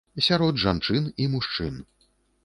Сярод жанчын і мужчын.